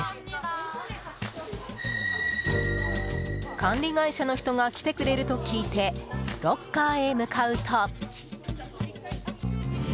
管理会社の人が来てくれると聞いて、ロッカーへ向かうと。